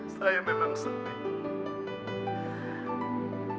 saya memang sedih